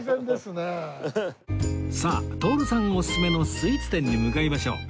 さあ徹さんオススメのスイーツ店に向かいましょう